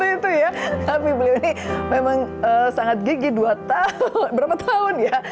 itu ya tapi beliau ini memang sangat gigi dua tahun berapa tahun ya